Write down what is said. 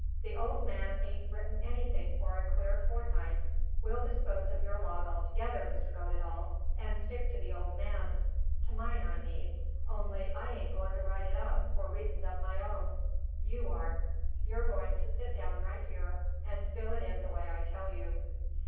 "The old man ain't written anything for a clear fortnight. We'll dispose of your log altogether, Mr. Goddedaal, and stick to the old man's to mine, I mean; only I ain't going to write it up, for reasons of my own. You are. You're going to sit down right here and fill it in the way I tell you."